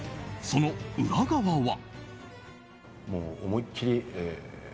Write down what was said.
その裏側は？